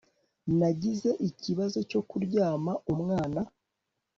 Nagize ikibazo cyo kuryama umwana